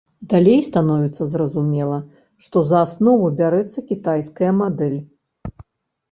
Далей становіцца зразумела, што за аснову бярэцца кітайская мадэль.